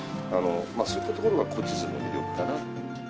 そういったところが古地図の魅力かな。